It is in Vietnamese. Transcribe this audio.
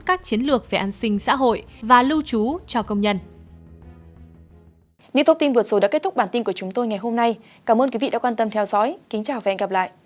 các chiến lược về an sinh xã hội và lưu trú cho công nhân